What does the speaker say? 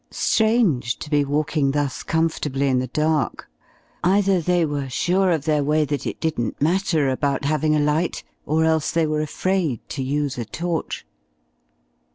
Strange to be walking thus comfortably in the dark! Either they were sure of their way that it didn't matter about having a light, or else they were afraid to use a torch.